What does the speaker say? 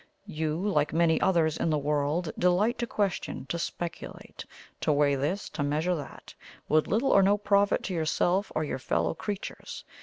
You, like many others in the world, delight to question, to speculate, to weigh this, to measure that, with little or no profit to yourself or your fellow creatures.